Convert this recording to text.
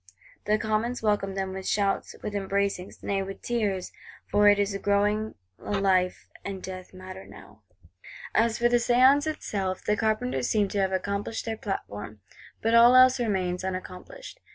The Commons welcomed them with shouts, with embracings, nay with tears; for it is growing a life and death matter now. As for the Séance itself, the Carpenters seem to have accomplished their platform; but all else remains unaccomplished.